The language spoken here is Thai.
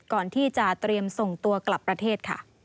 ก่อนที่จะเตรียมส่งตัวกลับประเทศค่ะ